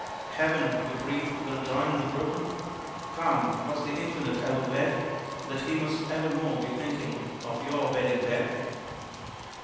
"Heaven," you breathe, "will join the broken?" Come, was the Infinite e'er wed, That He must evermore be thinking Of your wedding bed?